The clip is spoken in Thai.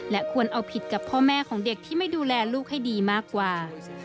ควรเอาผิดกับพ่อแม่ของเด็กที่ไม่ดูแลลูกให้ดีมากกว่า